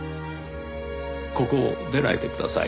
ここを出ないでください。